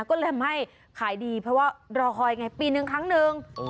ก็เลยทำให้ขายดีเพราะว่ารอคอยไงปีนึงครั้งหนึ่ง